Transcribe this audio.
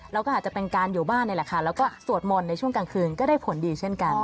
เราก็อาจจะเป็นการอยู่บ้านนี่แหละค่ะแล้วก็สวดมนต์ในช่วงกลางคืนก็ได้ผลดีเช่นกัน